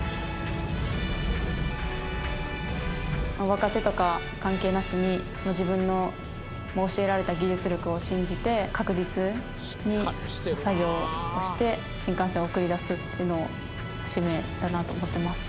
若手とか関係なしに、自分の教えられた技術力を信じて、確実に作業して、新幹線を送り出すっていうのが使命だなと思ってます。